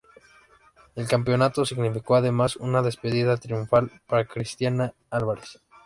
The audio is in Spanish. El campeonato significó además una despedida triunfal para Cristian Álvarez.